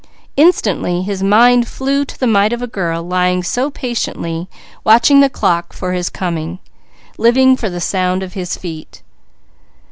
Instantly his mind flew to the mite of a girl, lying so patiently, watching the clock for his coming, living for the sound of his feet.